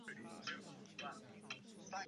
这一区域目前被用于行政办公室及档案馆。